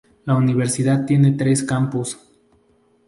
La universidad tiene tres campus.